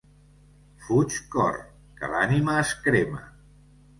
Fuig cor, que l'ànima es crema!